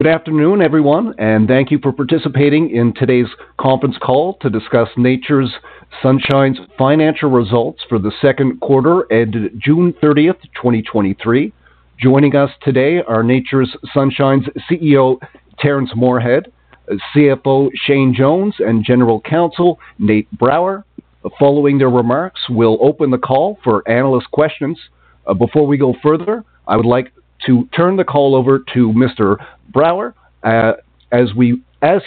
Good afternoon, everyone, and thank you for participating in today's conference call to discuss Nature's Sunshine's financial results for the second quarter ended June 30th, 2023. Joining us today are Nature's Sunshine's CEO, Terrence Moorehead, CFO, Shane Jones, and General Counsel, Nate Brower. Following their remarks, we'll open the call for analyst questions. Before we go further, I would like to turn the call over to Mr. Brower, as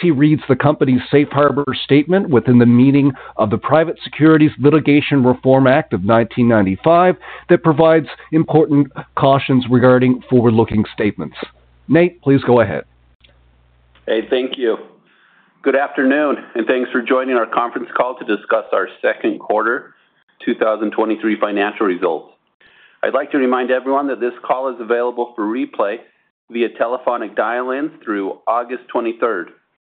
he reads the company's safe harbor statement within the meaning of the Private Securities Litigation Reform Act of 1995, that provides important cautions regarding forward-looking statements. Nate, please go ahead. Hey, thank you. Good afternoon, thanks for joining our conference call to discuss our second quarter 2023 financial results. I'd like to remind everyone that this call is available for replay via telephonic dial-in through August 23rd,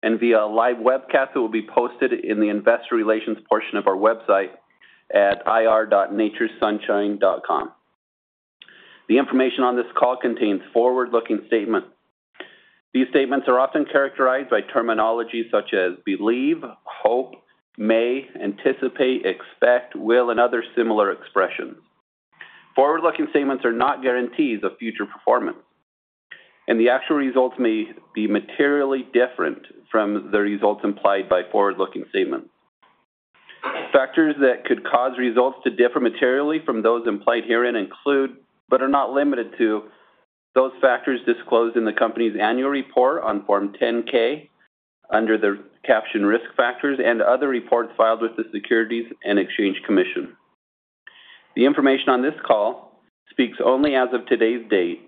and via a live webcast that will be posted in the investor relations portion of our website at ir.naturessunshine.com. The information on this call contains forward-looking statements. These statements are often characterized by terminology such as believe, hope, may, anticipate, expect, will, and other similar expressions. Forward-looking statements are not guarantees of future performance, and the actual results may be materially different from the results implied by forward-looking statements. Factors that could cause results to differ materially from those implied herein include, but are not limited to, those factors disclosed in the company's annual report on Form 10-K under the caption Risk Factors and other reports filed with the Securities and Exchange Commission. The information on this call speaks only as of today's date,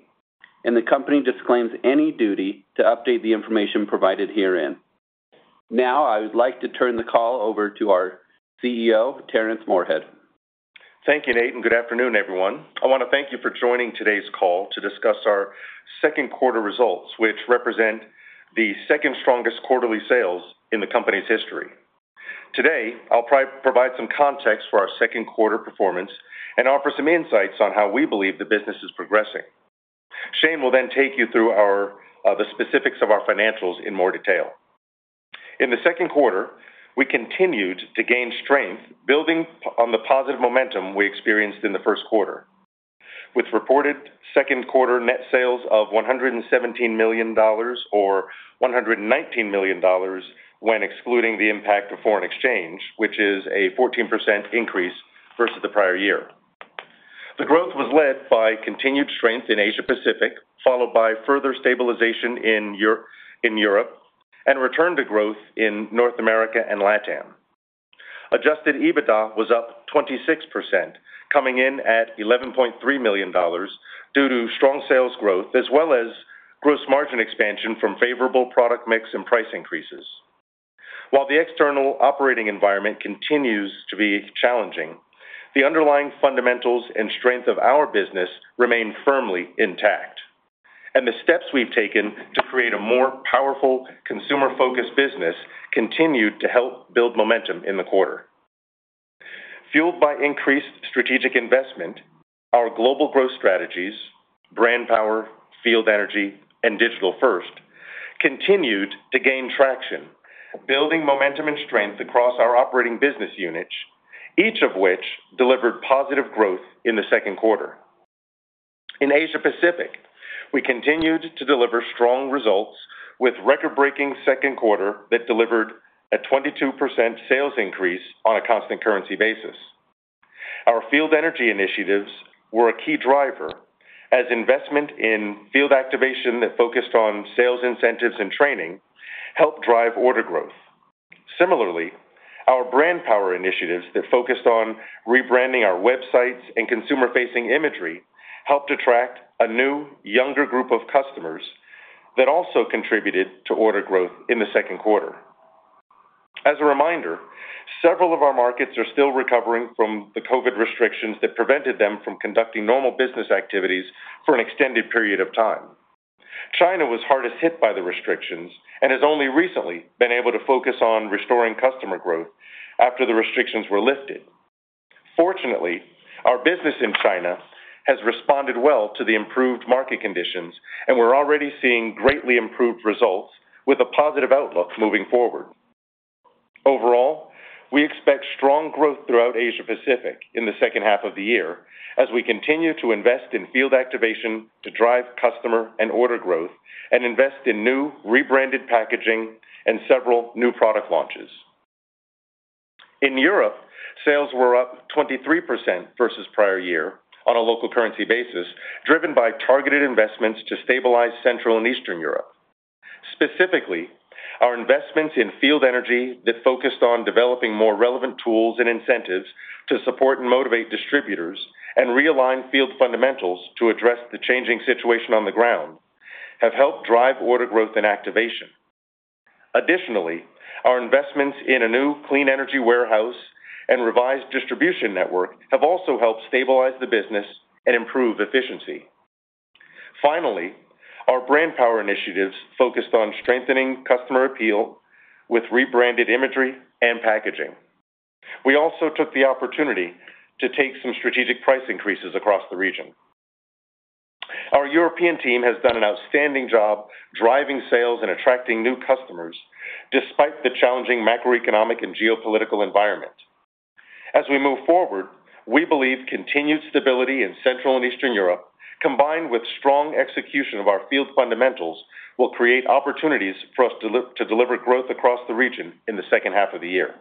and the company disclaims any duty to update the information provided herein. I would like to turn the call over to our CEO, Terrence Moorehead. Thank you, Nate. Good afternoon, everyone. I want to thank you for joining today's call to discuss our second quarter results, which represent the second strongest quarterly sales in the company's history. Today, I'll provide some context for our second quarter performance and offer some insights on how we believe the business is progressing. Shane will take you through our the specifics of our financials in more detail. In the second quarter, we continued to gain strength, building on the positive momentum we experienced in the first quarter, with reported second quarter net sales of $117 million, or $119 million when excluding the impact of foreign exchange, which is a 14% increase versus the prior year. The growth was led by continued strength in Asia Pacific, followed by further stabilization in Europe, and return to growth in North America and LATAM. Adjusted EBITDA was up 26%, coming in at $11.3 million due to strong sales growth, as well as gross margin expansion from favorable product mix and price increases. While the external operating environment continues to be challenging, the underlying fundamentals and strength of our business remain firmly intact, and the steps we've taken to create a more powerful, consumer-focused business continued to help build momentum in the quarter. Fueled by increased strategic investment, our global growth strategies, Brand Power, Field Energy, and Digital First, continued to gain traction, building momentum and strength across our operating business units, each of which delivered positive growth in the second quarter. In Asia Pacific, we continued to deliver strong results with record-breaking second quarter that delivered a 22% sales increase on a constant currency basis. Our Field Energy initiatives were a key driver as investment in field activation that focused on sales incentives and training helped drive order growth. Similarly, our Brand Power initiatives that focused on rebranding our websites and consumer-facing imagery helped attract a new, younger group of customers that also contributed to order growth in the second quarter. As a reminder, several of our markets are still recovering from the COVID restrictions that prevented them from conducting normal business activities for an extended period of time. China was hardest hit by the restrictions and has only recently been able to focus on restoring customer growth after the restrictions were lifted. Fortunately, our business in China has responded well to the improved market conditions, and we're already seeing greatly improved results with a positive outlook moving forward. Overall, we expect strong growth throughout Asia Pacific in the second half of the year as we continue to invest in field activation to drive customer and order growth and invest in new rebranded packaging and several new product launches. In Europe, sales were up 23% versus prior year on a local currency basis, driven by targeted investments to stabilize Central and Eastern Europe. Specifically, our investments in Field Energy that focused on developing more relevant tools and incentives to support and motivate distributors and realign field fundamentals to address the changing situation on the ground have helped drive order growth and activation. Additionally, our investments in a new clean energy warehouse and revised distribution network have also helped stabilize the business and improve efficiency. Finally, our Brand Power initiatives focused on strengthening customer appeal with rebranded imagery and packaging. We also took the opportunity to take some strategic price increases across the region. Our European team has done an outstanding job driving sales and attracting new customers, despite the challenging macroeconomic and geopolitical environment. As we move forward, we believe continued stability in Central and Eastern Europe, combined with strong execution of our field fundamentals, will create opportunities for us to deliver growth across the region in the second half of the year.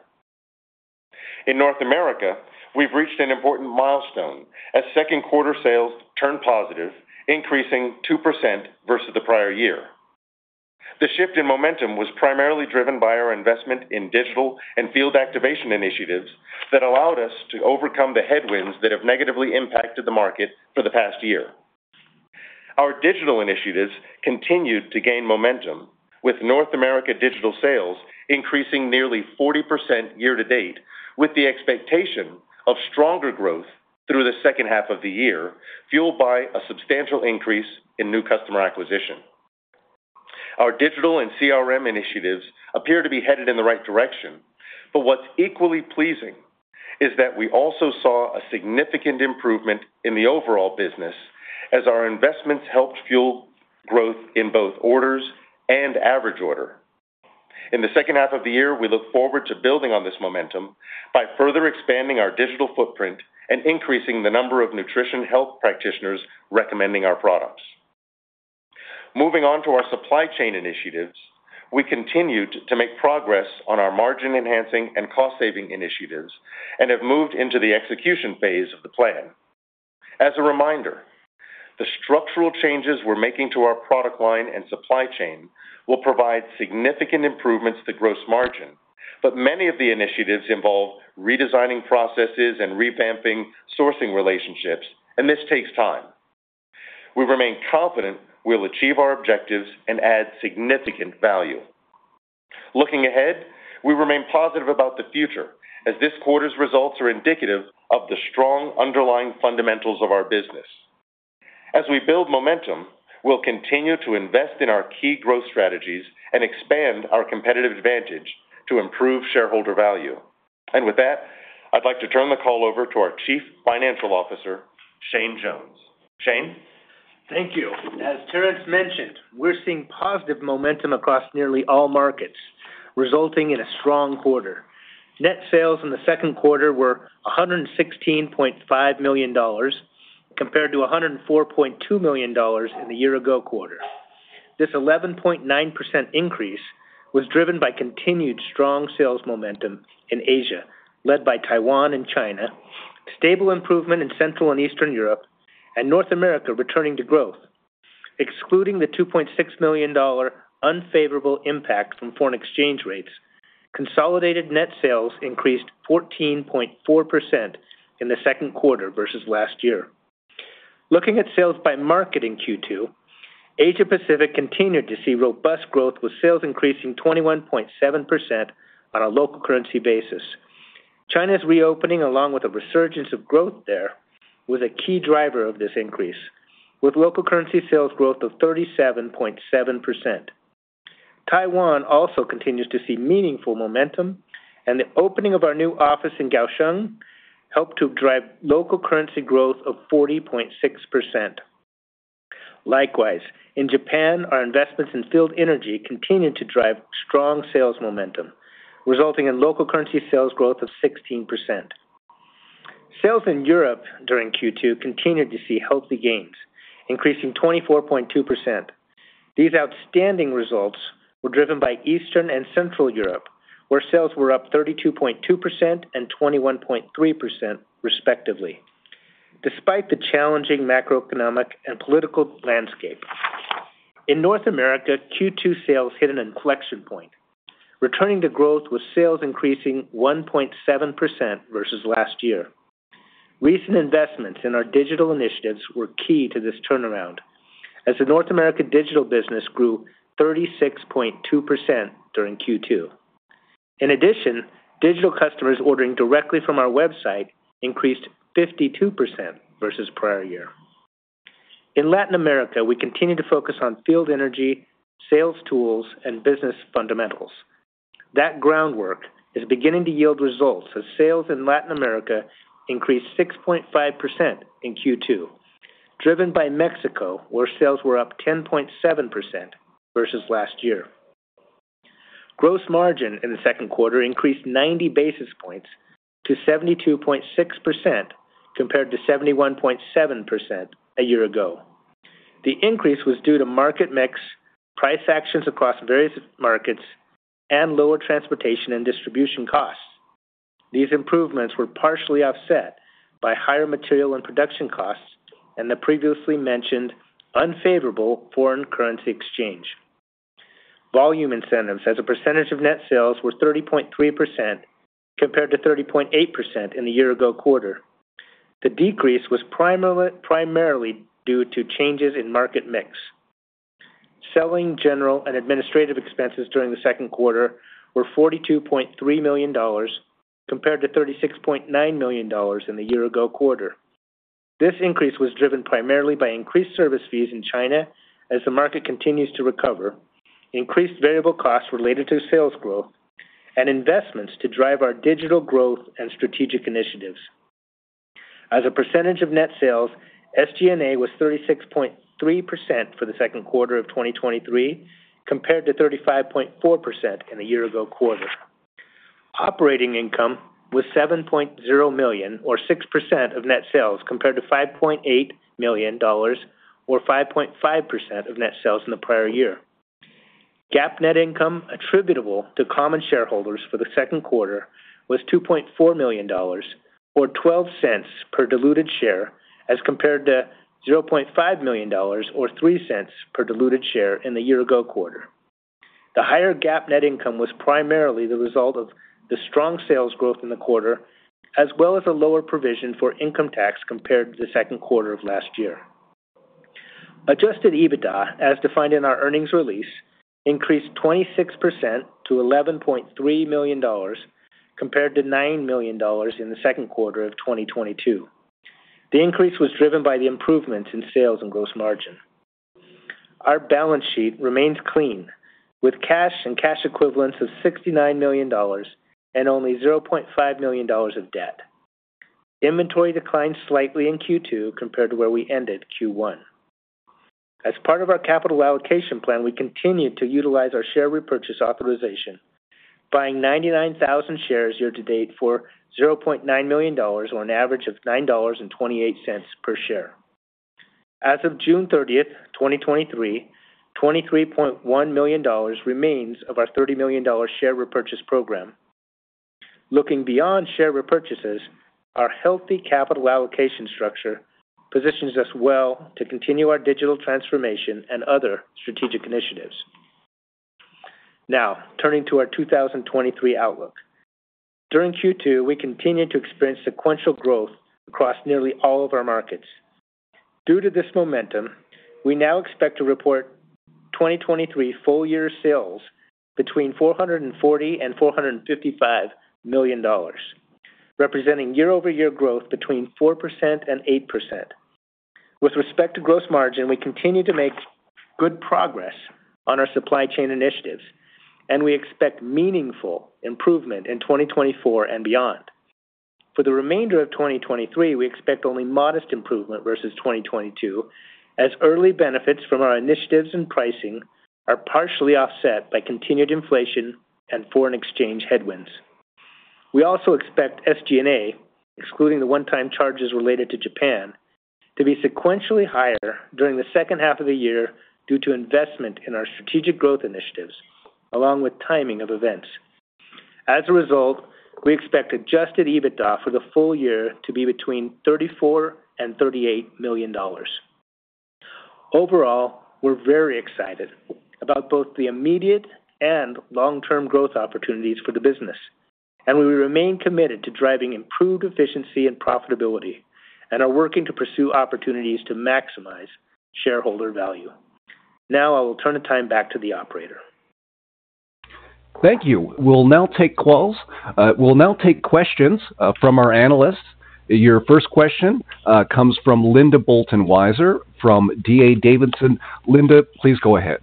In North America, we've reached an important milestone as second quarter sales turned positive, increasing 2% versus the prior year. The shift in momentum was primarily driven by our investment in digital and field activation initiatives that allowed us to overcome the headwinds that have negatively impacted the market for the past year. Our digital initiatives continued to gain momentum, with North America digital sales increasing nearly 40% year to date, with the expectation of stronger growth through the second half of the year, fueled by a substantial increase in new customer acquisition. Our digital and CRM initiatives appear to be headed in the right direction, but what's equally pleasing is that we also saw a significant improvement in the overall business as our investments helped fuel growth in both orders and average order. In the second half of the year, we look forward to building on this momentum by further expanding our digital footprint and increasing the number of nutritional health practitioners recommending our products. Moving on to our supply chain initiatives, we continued to make progress on our margin-enhancing and cost-saving initiatives and have moved into the execution phase of the plan. As a reminder, the structural changes we're making to our product line and supply chain will provide significant improvements to gross margin, but many of the initiatives involve redesigning processes and revamping sourcing relationships, and this takes time. We remain confident we'll achieve our objectives and add significant value. Looking ahead, we remain positive about the future as this quarter's results are indicative of the strong underlying fundamentals of our business. As we build momentum, we'll continue to invest in our key growth strategies and expand our competitive advantage to improve shareholder value. With that, I'd like to turn the call over to our Chief Financial Officer, Shane Jones. Shane? Thank you. As Terrence mentioned, we're seeing positive momentum across nearly all markets, resulting in a strong quarter. Net sales in the second quarter were $116.5 million, compared to $104.2 million in the year-ago quarter. This 11.9% increase was driven by continued strong sales momentum in Asia, led by Taiwan and China, stable improvement in Central and Eastern Europe, and North America returning to growth. Excluding the $2.6 million unfavorable impact from foreign exchange rates, consolidated net sales increased 14.4% in the second quarter versus last year. Looking at sales by market in Q2, Asia Pacific continued to see robust growth, with sales increasing 21.7% on a local currency basis. China's reopening, along with a resurgence of growth there, was a key driver of this increase, with local currency sales growth of 37.7%. Taiwan also continues to see meaningful momentum, and the opening of our new office in Kaohsiung helped to drive local currency growth of 40.6%. Likewise, in Japan, our investments in Field Energy continued to drive strong sales momentum, resulting in local currency sales growth of 16%. Sales in Europe during Q2 continued to see healthy gains, increasing 24.2%. These outstanding results were driven by Eastern and Central Europe, where sales were up 32.2% and 21.3%, respectively, despite the challenging macroeconomic and political landscape. In North America, Q2 sales hit an inflection point, returning to growth, with sales increasing 1.7% versus last year. Recent investments in our digital initiatives were key to this turnaround, as the North America digital business grew 36.2% during Q2. In addition, digital customers ordering directly from our website increased 52% versus prior year. In Latin America, we continue to focus on field energy, sales tools, and business fundamentals. That groundwork is beginning to yield results as sales in Latin America increased 6.5% in Q2, driven by Mexico, where sales were up 10.7% versus last year. Gross margin in the second quarter increased 90 basis points to 72.6%, compared to 71.7% a year ago. The increase was due to market mix, price actions across various markets, and lower transportation and distribution costs. These improvements were partially offset by higher material and production costs and the previously mentioned unfavorable foreign currency exchange. Volume incentives as a percentage of net sales were 30.3%, compared to 30.8% in the year-ago quarter. The decrease was primarily due to changes in market mix. Selling, general, and administrative expenses during the second quarter were $42.3 million, compared to $36.9 million in the year-ago quarter. This increase was driven primarily by increased service fees in China as the market continues to recover, increased variable costs related to sales growth, and investments to drive our digital growth and strategic initiatives. As a percentage of net sales, SG&A was 36.3% for the second quarter of 2023, compared to 35.4% in the year-ago quarter. Operating income was $7.0 million, or 6% of net sales, compared to $5.8 million, or 5.5% of net sales in the prior year. GAAP net income attributable to common shareholders for the second quarter was $2.4 million, or $0.12 per diluted share, as compared to $0.5 million or $0.03 per diluted share in the year ago quarter. The higher GAAP net income was primarily the result of the strong sales growth in the quarter, as well as a lower provision for income tax compared to the second quarter of last year. Adjusted EBITDA, as defined in our earnings release, increased 26% to $11.3 million, compared to $9 million in the second quarter of 2022. The increase was driven by the improvements in sales and gross margin. Our balance sheet remains clean, with cash and cash equivalents of $69 million and only $0.5 million of debt. Inventory declined slightly in Q2 compared to where we ended Q1. As part of our capital allocation plan, we continued to utilize our share repurchase authorization, buying 99,000 shares year to date for $0.9 million, or an average of $9.28 per share. As of June 30th, 2023, $23.1 million remains of our $30 million share repurchase program. Looking beyond share repurchases, our healthy capital allocation structure positions us well to continue our digital transformation and other strategic initiatives. Turning to our 2023 outlook. During Q2, we continued to experience sequential growth across nearly all of our markets. Due to this momentum, we now expect to report 2023 full year sales between $440 million and $455 million, representing year-over-year growth between 4% and 8%. With respect to gross margin, we continue to make good progress on our supply chain initiatives, and we expect meaningful improvement in 2024 and beyond. For the remainder of 2023, we expect only modest improvement versus 2022, as early benefits from our initiatives and pricing are partially offset by continued inflation and foreign exchange headwinds. We also expect SG&A, excluding the one-time charges related to Japan, to be sequentially higher during the second half of the year due to investment in our strategic growth initiatives, along with timing of events. As a result, we expect Adjusted EBITDA for the full year to be between $34 million and $38 million. Overall, we're very excited about both the immediate and long-term growth opportunities for the business, and we remain committed to driving improved efficiency and profitability, and are working to pursue opportunities to maximize shareholder value. Now I will turn the time back to the operator. Thank you. We'll now take questions from our analysts. Your first question comes from Linda Bolton Weiser from D.A. Davidson. Linda, please go ahead.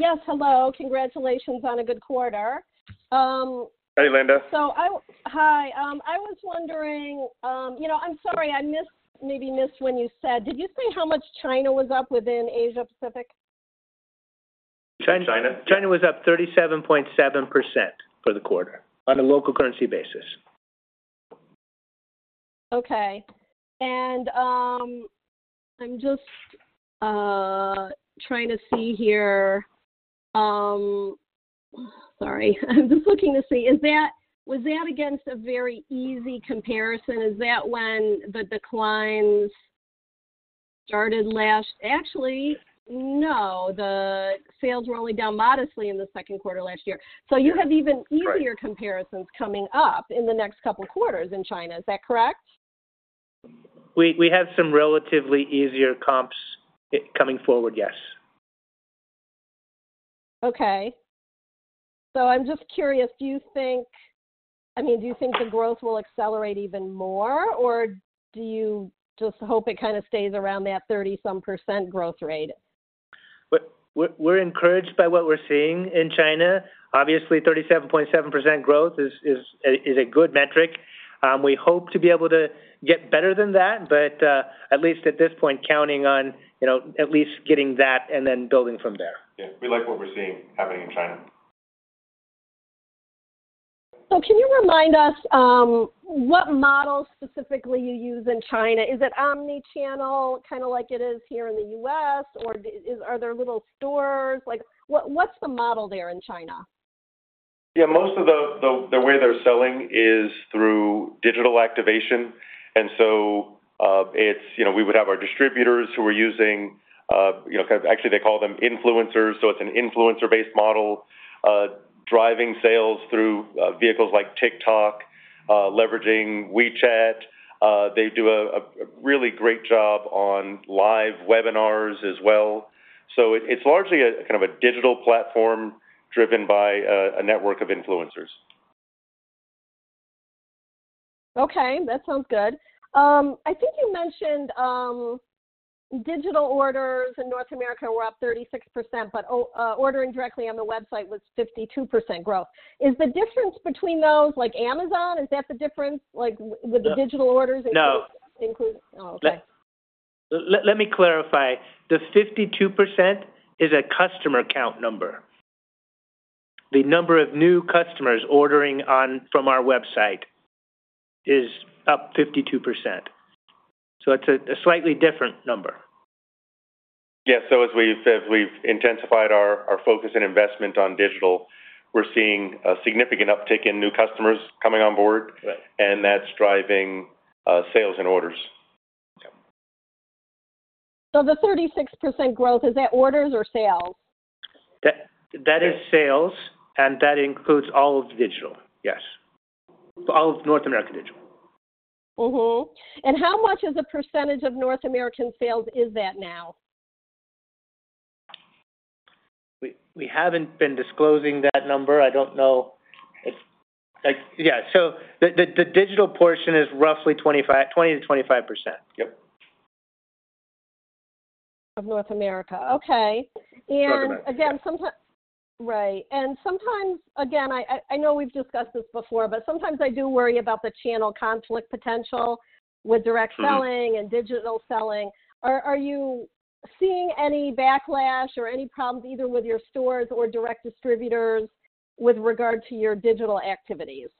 Yes, hello. Congratulations on a good quarter. Hey, Linda. Hi, I was wondering, you know, I'm sorry, I missed, maybe missed when you said, did you say how much China was up within Asia Pacific? China. China was up 37.7% for the quarter on a local currency basis. Okay. I'm just trying to see here. Sorry. I'm just looking to see. Was that against a very easy comparison? Is that when the declines started last? Actually, no, the sales were only down modestly in the second quarter last year. You have even- Right. easier comparisons coming up in the next couple quarters in China. Is that correct? We, we have some relatively easier comps coming forward, yes. Okay. I'm just curious, do you think, I mean, do you think the growth will accelerate even more, or do you just hope it kind of stays around that 30% some growth rate? We're, we're, we're encouraged by what we're seeing in China. Obviously, 37.7% growth is a good metric. We hope to be able to get better than that, but at least at this point, counting on, you know, at least getting that and then building from there. Yeah, we like what we're seeing happening in China. Can you remind us, what models specifically you use in China? Is it omni-channel, kind of like it is here in the U.S., or are there little stores? Like, what's the model there in China? Yeah, most of the, the, the way they're selling is through digital activation. It's, you know, we would have our distributors who are using, you know, kind of actually, they call them influencers. It's an influencer-based model, driving sales through vehicles like TikTok, leveraging WeChat. They do a, a, a really great job on live webinars as well. It, it's largely a kind of a digital platform driven by a network of influencers. Okay, that sounds good. I think you mentioned, digital orders in North America were up 36%, but, oh, ordering directly on the website was 52% growth. Is the difference between those, like, Amazon? Is that the difference, like, with the digital orders- No. Includes? Oh, okay. Let me clarify. The 52% is a customer count number. The number of new customers ordering from our website is up 52%, so it's a slightly different number. Yes. As we've said, we've intensified our, our focus and investment on digital. We're seeing a significant uptick in new customers coming on board. Right. That's driving sales and orders. Okay. The 36% growth, is that orders or sales? That, that is sales. That includes all of digital, yes. All of North American digital. Mm-hmm. How much as a percentage of North American sales is that now? We haven't been disclosing that number. I don't know. Yeah, the digital portion is roughly 25%, 20%-25%. Yep. Of North America. Okay. Correct. Again. Right. Sometimes, again, I know we've discussed this before, but sometimes I do worry about the channel conflict potential with direct selling- Mm. digital selling. Are, are you seeing any backlash or any problems, either with your stores or direct distributors, with regard to your digital activities?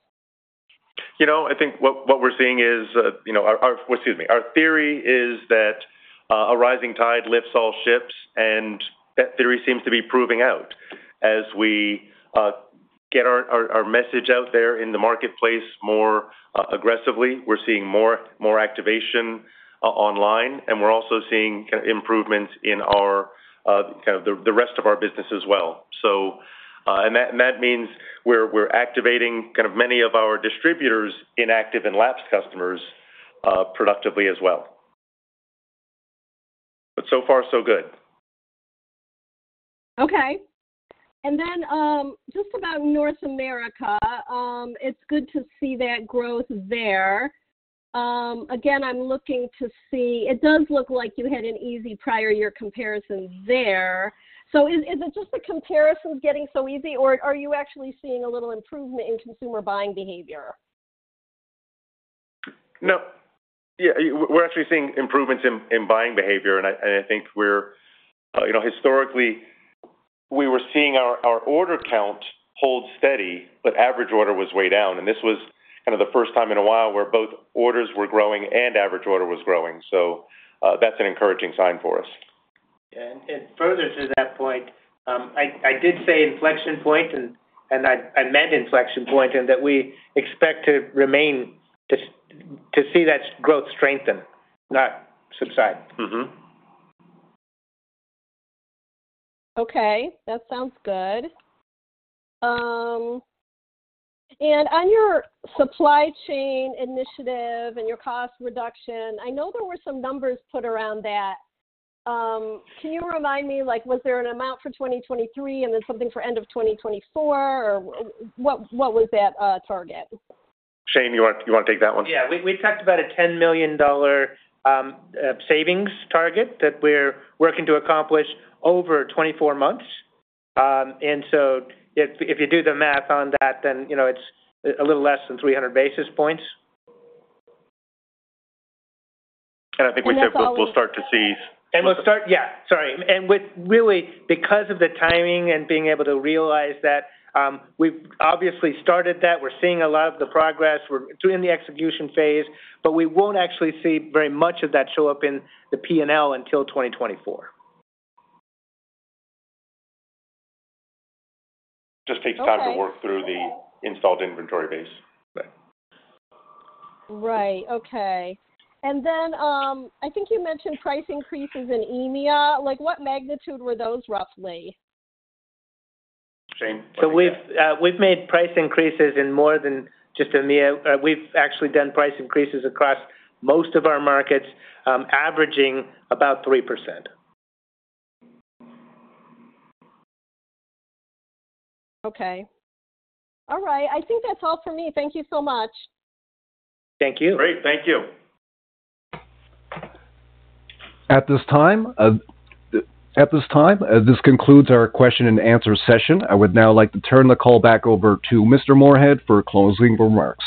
You know, I think what, what we're seeing is, you know. Excuse me. Our theory is that a rising tide lifts all ships. That theory seems to be proving out. As we get our, our, our message out there in the marketplace more aggressively, we're seeing more, more activation online, and we're also seeing improvements in our kind of the, the rest of our business as well. That, and that means we're, we're activating kind of many of our distributors, inactive and lapsed customers, productively as well. So far, so good. Okay. Just about North America, it's good to see that growth there. Again, I'm looking to see. It does look like you had an easy prior year comparison there. Is it just the comparison getting so easy, or are you actually seeing a little improvement in consumer buying behavior? No. Yeah, we're, we're actually seeing improvements in, in buying behavior, and I, and I think we're, you know, historically, we were seeing our, our order count hold steady, but average order was way down, and this was kind of the first time in a while where both orders were growing and average order was growing. That's an encouraging sign for us. Yeah, and, and further to that point, I, I did say inflection point, and, and I, I meant inflection point, and that we expect to remain to, to see that growth strengthen, not subside. Mm-hmm. Okay, that sounds good. On your supply chain initiative and your cost reduction, I know there were some numbers put around that. Can you remind me, like, was there an amount for 2023, and then something for end of 2024, or w-what, what was that, target? Shane, you wanna take that one? Yeah. We, we talked about a $10 million savings target that we're working to accomplish over 24 months. So if, if you do the math on that, then, you know, it's a little less than 300 basis points. I think we said we'll start to see. We'll start... Yeah, sorry. With really, because of the timing and being able to realize that, we've obviously started that. We're seeing a lot of the progress. We're doing the execution phase, but we won't actually see very much of that show up in the P&L until 2024. Just takes time- Okay. to work through the installed inventory base. Right. Right. Okay. Then, I think you mentioned price increases in EMEA. Like, what magnitude were those roughly? Shane, what do you got? We've, we've made price increases in more than just EMEA. We've actually done price increases across most of our markets, averaging about 3%. Okay. All right. I think that's all for me. Thank you so much. Thank you. Great. Thank you. At this time, this concludes our question and answer session. I would now like to turn the call back over to Mr. Moorehead for closing remarks.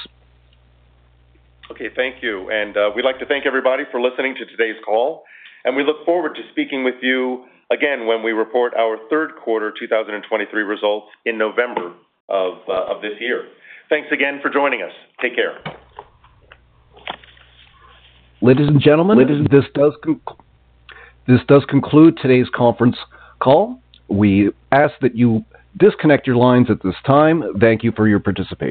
Okay, thank you. We'd like to thank everybody for listening to today's call, and we look forward to speaking with you again when we report our third quarter 2023 results in November of this year. Thanks again for joining us. Take care. Ladies and gentlemen, this does conclude today's conference call. We ask that you disconnect your lines at this time. Thank you for your participation.